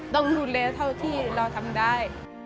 ต้องดูแลเท่าที่เราทำได้